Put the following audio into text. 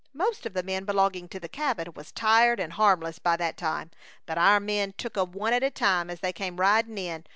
Most of the men belonging to the cabin was tied and harmless by that time, for our men took 'em one at a time as they came riding in.